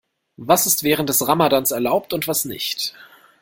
Was ist während des Ramadans erlaubt und was nicht?